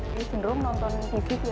lebih sering nonton tv ya